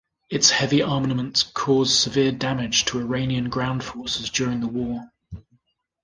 Its heavy armament caused severe damage to Iranian ground forces during the war.